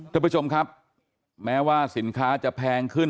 ท่านผู้ชมครับแม้ว่าสินค้าจะแพงขึ้น